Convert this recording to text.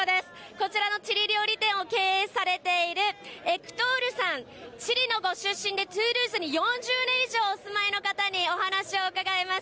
こちらのチリ料理店を経営されているエクトールさん、チリのご出身で、トゥールーズに４０年以上お住まいの方にお話を伺います。